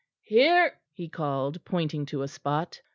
"Here," he called, pointing to a spot.